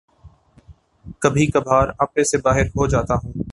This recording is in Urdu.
کبھی کبھار آپے سے باہر ہو جاتا ہوں